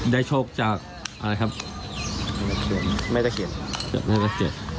ได้โชคจากอะไรครับไม่ได้เขียนไม่ได้เขียน